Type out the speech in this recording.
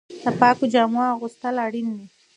د پاکو جامو اغوستل اړین دي.